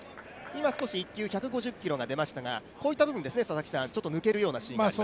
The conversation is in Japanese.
今少し１球１５０キロが出ましたが、こういった部分ですね抜けるようなシーン。